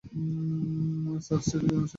সার্সিরই সিদ্ধান্ত নেওয়া উচিৎ।